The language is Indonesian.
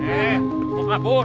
eh mau kabur